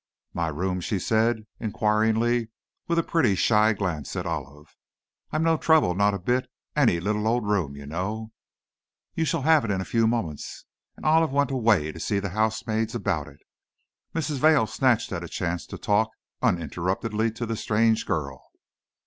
"My room?" she said, inquiringly, with a pretty, shy glance at Olive. "I'm no trouble, not a bit. Any little old room, you know." "You shall have it in a few moments," and Olive went away to see the housemaids about it. Mrs. Vail snatched at a chance to talk uninterruptedly to the strange girl.